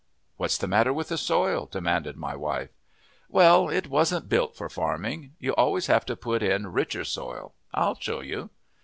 "What's the matter with the soil?" demanded my wife. "Well, it wasn't built for farming. You always have to put in richer soil. I'll show you."